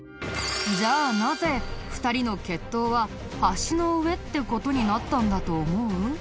じゃあなぜ２人の決闘は橋の上って事になったんだと思う？